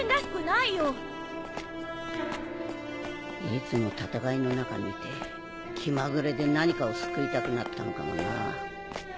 いつも戦いの中にいて気まぐれで何かを救いたくなったのかもな。